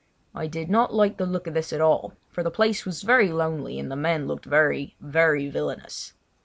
I did not like the look of this at all, for the place was very lonely, and the men looked very, very villainous.